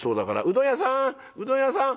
うどん屋さんうどん屋さん！」。